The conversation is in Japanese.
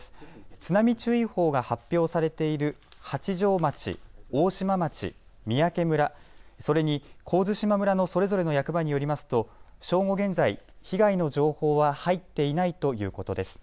津波注意報が発表されている八丈町、大島町、三宅村、それに神津島村のそれぞれの役場によりますと正午現在、被害の情報は入っていないということです。